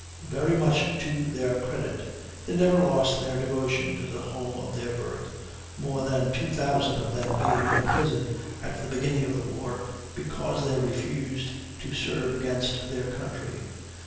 Very much to their credit, they never lost their devotion to the home of their birth, more than two thousand of them being imprisoned at the beginning of the war because they refused to serve against their country.